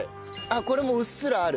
これもうっすらある。